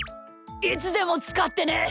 いつでもつかってね。